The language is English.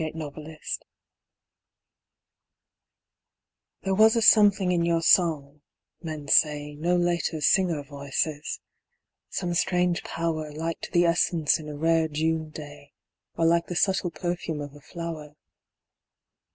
JENNY LIND There was a something in your song, men say No later singer voices: some strange power Like to the essence in a rare June day, Or like the subtle perfume of a flower.